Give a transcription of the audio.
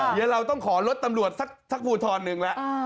อย่างนี้เราต้องขอรถตำรวจซักผู้ทอนนึงแล้ว